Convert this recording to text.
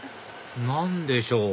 何でしょう？